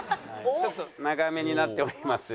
ちょっと長めになっております。